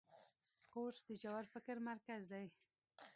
کورس د ژور فکر مرکز دی.